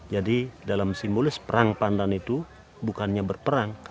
jadi dalam simbolis perang pandan itu bukannya berperang